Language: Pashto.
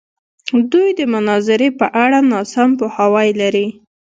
دوی د مناظرې په اړه ناسم پوهاوی لري.